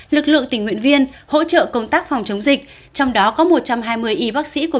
lực lượng tình nguyện viên hỗ trợ công tác phòng chống dịch trong đó có một trăm hai mươi y bác sĩ của